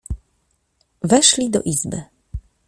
"Weszli do izby."